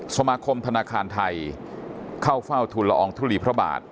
สมาคมธนาคารไทยเข้าเฝ้าทุนละอองทุลีพระบาท